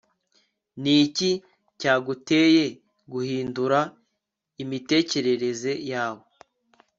ni iki cyaguteye guhindura imitekerereze yawe